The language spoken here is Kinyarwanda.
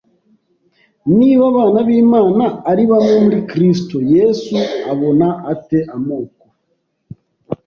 Niba abana b’Imana ari bamwe muri Kristo, Yesu abona ate amoko